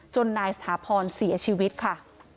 นายสถาพรเสียชีวิตค่ะ